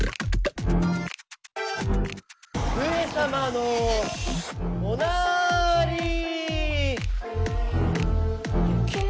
上様のおなーりー。